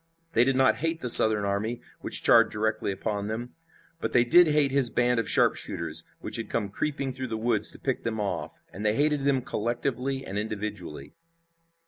They did not hate the Southern army which charged directly upon them, but they did hate this band of sharpshooters which had come creeping through the woods to pick them off, and they hated them collectively and individually.